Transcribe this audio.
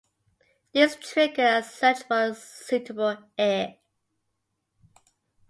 This triggered a search for a suitable heir.